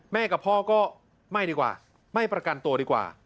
กับพ่อก็ไม่ดีกว่าไม่ประกันตัวดีกว่า